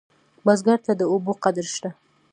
بزګر ته د اوبو قدر شته